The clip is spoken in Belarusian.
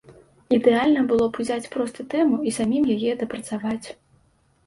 Ідэальна было б узяць проста тэму і самім яе дапрацаваць.